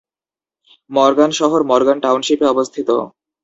Morgan শহর Morgan টাউনশিপে অবস্থিত।